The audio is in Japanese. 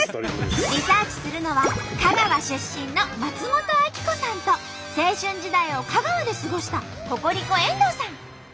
リサーチするのは香川出身の松本明子さんと青春時代を香川で過ごしたココリコ遠藤さん。